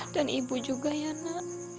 dan ibu juga ya nak